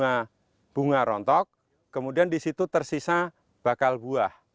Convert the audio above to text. kemudian setelah mekar bunga rontok kemudian di situ tersisa bakal buah